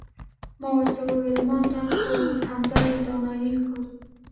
ما ورته وویل ما ته خو همدایې دانایي ښکاري.